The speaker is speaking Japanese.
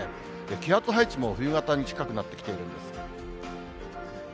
気圧配置も冬型に近くなってきているんです。